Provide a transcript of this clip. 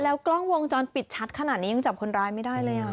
กล้องวงจรปิดชัดขนาดนี้ยังจับคนร้ายไม่ได้เลยอ่ะ